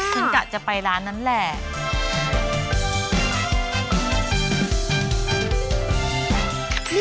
กะจะไปร้านนั้นแหละ